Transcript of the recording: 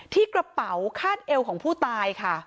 ที่กระเป๋าคาดเอวของผู้ตายค่ะ